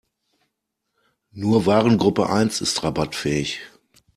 Nur Warengruppe eins ist rabattfähig.